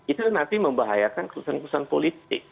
itu nanti membahayakan keputusan keputusan politik